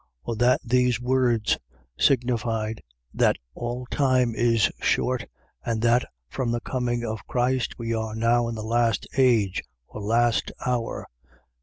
Or that these words signified, that all time is short, and that from the coming of Christ, we are now in the last age or last hour.